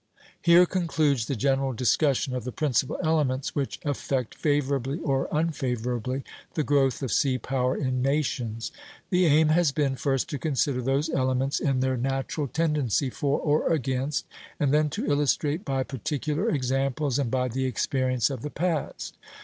Here concludes the general discussion of the principal elements which affect, favorably or unfavorably, the growth of sea power in nations. The aim has been, first to consider those elements in their natural tendency for or against, and then to illustrate by particular examples and by the experience of the past.